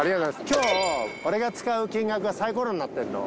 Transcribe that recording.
今日俺が使う金額がさいころになってんの。